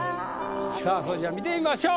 さぁそれじゃあ見てみましょう。